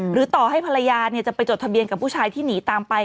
ต่อให้ภรรยาจะไปจดทะเบียนกับผู้ชายที่หนีตามไป